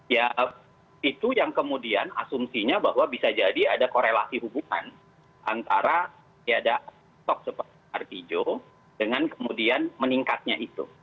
ya itu yang kemudian asumsinya bahwa bisa jadi ada korelasi hubungan antara tiada tok seperti artijo dengan kemudian meningkatnya itu